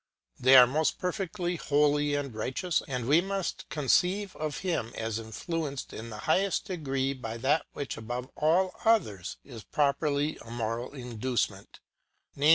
They are most perfectly holy and righteous ; and we must conceive of Him as influenced in the highest degree by that which, above all others, is properly a moral induce ment ; viz.